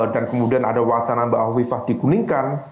dan kemudian ada wacana mbak hovifah dikuningkan